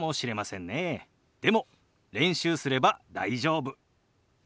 でも練習すれば大丈夫。